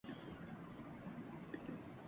وہ کچھ غلط کہہ رہا ہے کہ درست